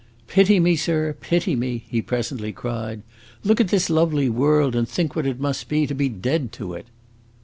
"Pity me, sir; pity me!" he presently cried. "Look at this lovely world, and think what it must be to be dead to it!"